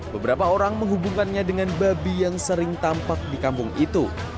beberapa orang menghubungkannya dengan babi yang sering tampak di kampung itu